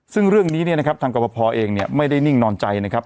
ซึ่งเรื่องนี้เนี่ยนะครับทางกรปภเองเนี่ยไม่ได้นิ่งนอนใจนะครับ